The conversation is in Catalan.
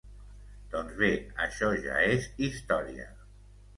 Doncs bé, això ja és història.